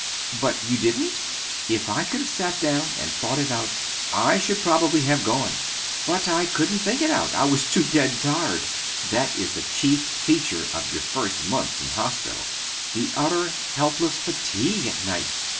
"But you didn't?" "If I could have sat down and thought it out, I should probably have gone. But I couldn't think it out I was too dead tired. That is the chief feature of your first months in hospital the utter helpless fatigue at night.